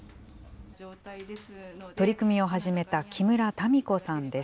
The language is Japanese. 取り組みを始めた木村彩子さんです。